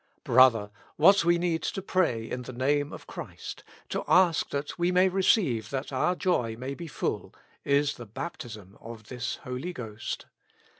Brother ! what we need to pray in the Name of Christ, to ask that we may receive that our joy may be full, is the baptism of this Holy Ghost.